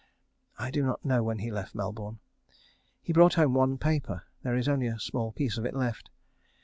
I do not know when he left Melbourne. He brought home one paper. There is only a small piece of it left.